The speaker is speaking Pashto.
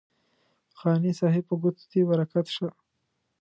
قانع صاحب په ګوتو دې برکت شه.